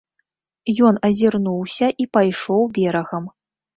Ён азірнуўся і пайшоў берагам.